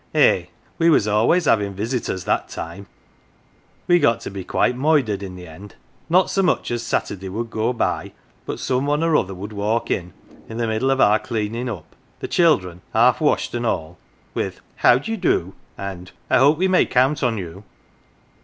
Eh ! we was always havin' visitors that time ! We got to be quite moidered in the end ; not so much as Saturday would go by but some one or other would walk in, in the middle of our cleaning up the children half washed and all with ' How do ye do ?' and ' I hope we may count on you.'